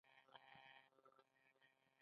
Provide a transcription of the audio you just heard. راتلونکي ته هیله، سړی ژوند ته هڅوي.